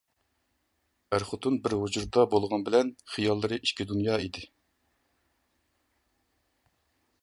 ئەر-خوتۇن بىر ھۇجرىدا بولغان بىلەن خىياللىرى ئىككى دۇنيا ئىدى.